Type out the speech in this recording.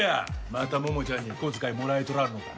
また桃ちゃんに小遣いもらえとらんのか。